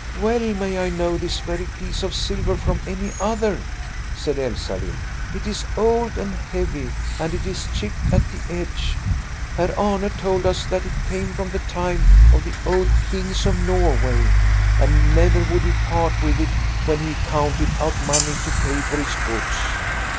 "Well may I know this very piece of silver from any other," said Elsalill. "It is old and heavy, and it is chipped at the edge. Herr Arne told us that it came from the time of the old kings of Norway, and never would he part with it when he counted out money to pay for his goods."